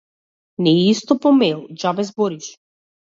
Не е исто по мејл, џабе збориш.